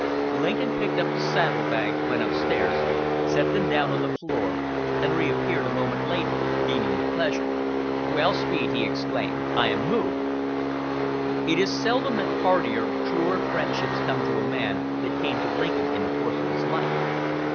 Lincoln picked up the saddle bags, went upstairs, set them down on the floor, and reappeared a moment later, beaming with pleasure. "Well, Speed," he exclaimed, "I am moved!" It is seldom that heartier, truer friendships come to a man than came to Lincoln in the course of his life.